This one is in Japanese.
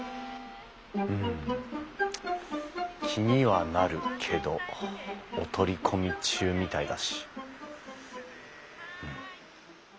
うん気にはなるけどお取り込み中みたいだし。